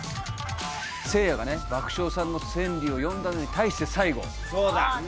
せいやがね爆笑さんの川柳を詠んだのに対して最後。